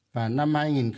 và năm hai nghìn ba mươi